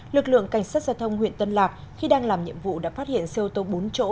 lực lượng cảnh sát giao thông huyện tân lạc khi đang làm nhiệm vụ đã phát hiện xe ô tô bốn chỗ